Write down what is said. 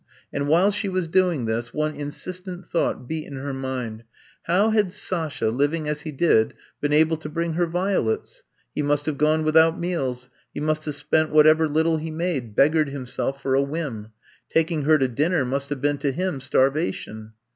And while she was doing this one insistent thought beat in her mind. How had Sasha, living as he did, been able to bring her violets? He must have gone without meals ; he must have spent whatever little he made, beggared himself for a whim. Taking her to dinner must have been to him starvation.